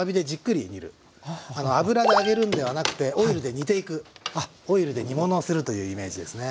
あの油で揚げるんではなくてオイルで煮ていくオイルで煮物をするというイメージですね。